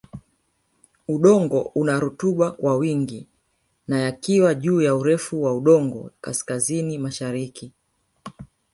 Udongo una Rutuba kwa wingi na yakiwa juu ya urefu wa udongo kaskazini mashariki